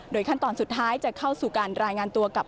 ขั้นตอนสุดท้ายจะเข้าสู่การรายงานตัวกับ